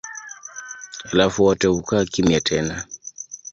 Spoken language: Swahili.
Halafu wote hukaa kimya tena.